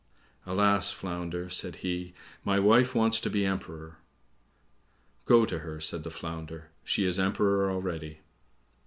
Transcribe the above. "Alas, Flounder," said he, "my wife wants to be Emperor." "Go to her," said the Flounder; "she is Emperor already."